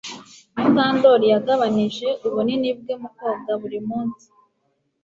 Mukandoli yagabanije ubunini bwe mu koga buri munsi